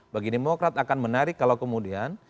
bagi demokrat akan menarik kalau kemudian